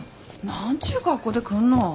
何ちゅう格好で来んの。